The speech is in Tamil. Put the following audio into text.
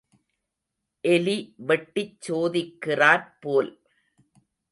எலி வெட்டிச் சோதிக்கிறாற் போல்.